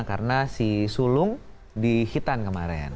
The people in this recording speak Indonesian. karena si sulung di hitan kemarin